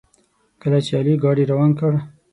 کله چې علي ګاډي روان کړ.